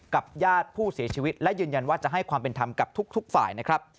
ญาติผู้เสียชีวิตและยืนยันว่าจะให้ความเป็นธรรมกับทุกฝ่ายนะครับ